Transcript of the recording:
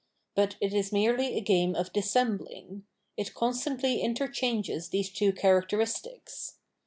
But it is merely a game of dissembling ; it constantly inter changes these two characteristics.